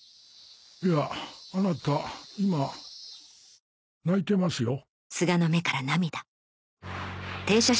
いやあなた今泣いてますよ。